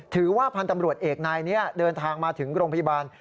ถือว่าพันธ์ตำรวจเอกนายนี้เดินทางมาถึงโรงพยาบาล